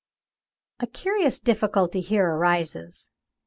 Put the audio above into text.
A curious difficulty here arises.